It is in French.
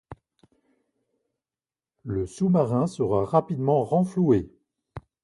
Le sous-marin sera rapidement renfloué.